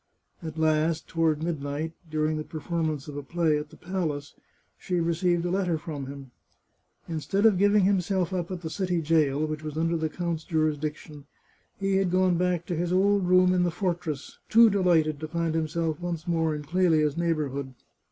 At last, toward midnight, during the performance of a play at the palace, she received a letter from him. Instead of giv ing himself up at the city jail, which was under the count's jurisdiction, he had gone back to his old room in the fortress, too delighted to find himself once more in Clelia's neigh bourhood.